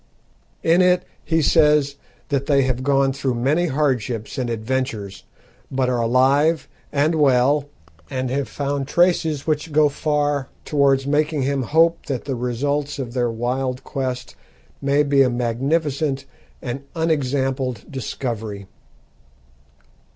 In it he says that they have gone through many hardships and adventures, but are alive and well, and have found traces which go far towards making him hope that the results of their wild quest may be a "magnificent and unexampled discovery."